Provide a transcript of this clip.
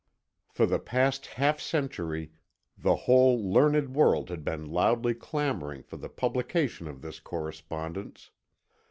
For the past half century the whole learned world had been loudly clamouring for the publication of this correspondence.